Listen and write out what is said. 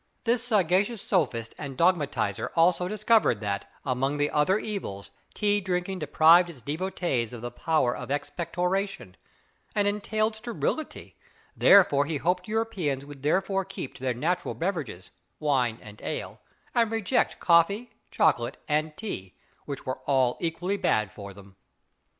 This sagacious sophist and dogmatizer also discovered that, among other evils, tea drinking deprived its devotees of the power of expectoration, and entailed sterility; wherefore he hoped Europeans would thereafter keep to their natural beverages wine and ale and reject coffee, chocolate, and tea, which were all equally bad for them.